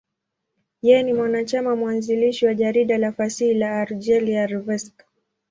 Yeye ni mwanachama mwanzilishi wa jarida la fasihi la Algeria, L'Ivrescq.